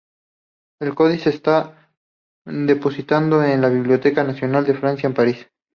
El Códice está depositado en la Biblioteca Nacional de Francia en París.